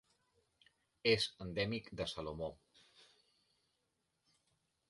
És endèmic de Salomó.